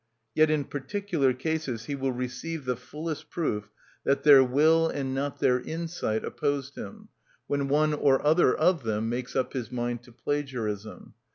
Yet in particular cases he will receive the fullest proof that their will and not their insight opposed him, when one or other of them makes up his mind to plagiarism.